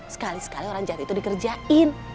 sekali sekali orang jahat itu dikerjain